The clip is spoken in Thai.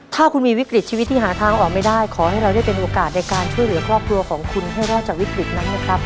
ถ้าคุณมีวิกฤตชีวิตที่หาทางออกไม่ได้ขอให้เราได้เป็นโอกาสในการช่วยเหลือครอบครัวของคุณให้รอดจากวิกฤตนั้นนะครับ